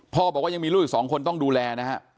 บอกว่ายังมีลูกอีก๒คนต้องดูแลนะฮะ